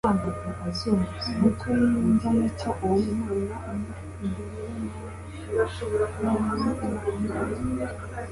nuko yiyumvamo ko uwo mwana umurikwa imbere y'Umwami Imana,